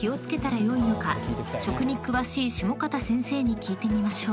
［食に詳しい下方先生に聞いてみましょう］